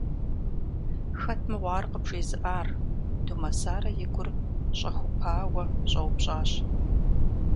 Хэт мыгъуэ ар къыбжезыӀар? – Думэсарэ и гур щӀэхупауэ щӀэупщӀащ.